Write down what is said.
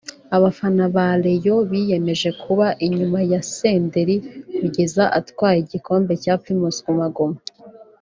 Abafana ba Rayon biyemeje kuba inyuma ya Senderi kugeza atwaye igikombe cya Primus Guma Guma